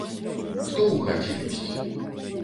Хто ў хаце ёсць?